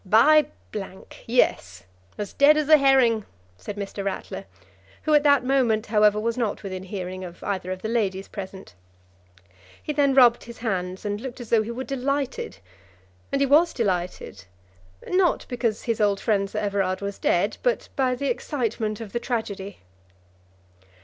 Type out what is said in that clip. "By yes; as dead as a herring," said Mr. Ratler, who at that moment, however, was not within hearing of either of the ladies present. And then he rubbed his hands, and looked as though he were delighted. And he was delighted, not because his old friend Sir Everard was dead, but by the excitement of the tragedy.